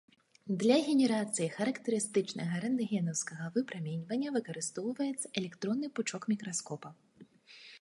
Для генерацыі характарыстычнага рэнтгенаўскага выпраменьвання выкарыстоўваецца электронны пучок мікраскопа.